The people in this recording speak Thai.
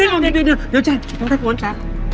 เดี๋ยวเดี๋ยวจะทำได้โปรดค่ะ